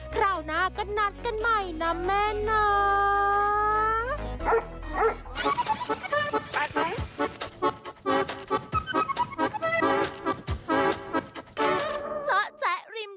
คราวหน้าก็นัดกันใหม่นะแม่เนาะ